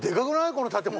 この建物。